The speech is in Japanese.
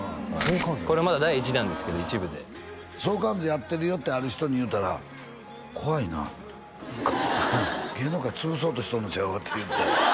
これまだ第１弾ですけど１部で「相関図やってるよ」ってある人に言うたら「怖いな」って怖い「芸能界潰そうとしとんのちゃうか」って言うてたよ